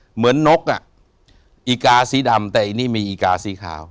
เหมือนนกอ่ะอีกาสีดำแต่อันนี้มีอีกาสีขาว